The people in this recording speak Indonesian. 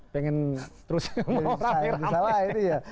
pengen terus mau ramai ramai